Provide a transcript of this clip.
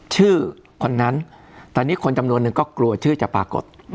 ชื่อคนนั้นตอนนี้คนจำนวนนึงก็กลัวชื่อจะปรากฏ